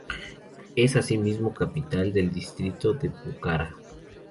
Es asimismo capital del distrito de Pucará.